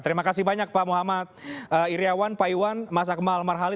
terima kasih banyak pak muhammad iryawan pak iwan mas akmal marhali